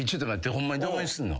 ホンマにどこにすんの？